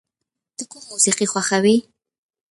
ته کوم موسیقی خوښوې؟